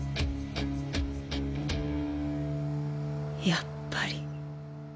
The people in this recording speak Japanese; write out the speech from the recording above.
やっぱり。